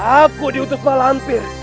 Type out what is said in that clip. aku diutus malampir